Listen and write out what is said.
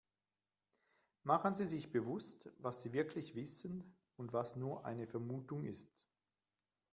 Machen Sie sich bewusst, was sie wirklich wissen und was nur eine Vermutung ist.